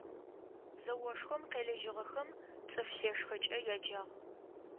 Зэошхом къелыжьыгъэхэм «Цӏыф лъэшхэкӏэ» яджагъ.